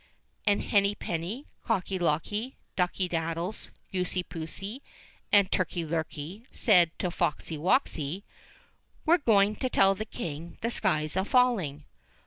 And Henny penny, Cocky locky, Ducky daddies, Goosey poosey, and Turkey lurkey said to Foxy woxy, "We're going to tell the King the sky's a falling."